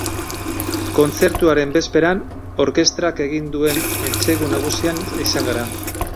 Kontzertuaren bezperan, orkestrak egin duen entsegu nagusian izan gara.